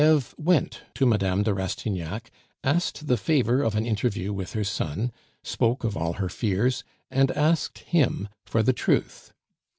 Eve went to Mme. de Rastignac, asked the favor of an interview with her son, spoke of all her fears, and asked him for the truth.